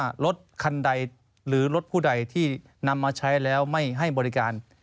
ว่ารถคันใดหรือรถผู้ใดที่นำมาใช้แล้วไม่ให้บริการ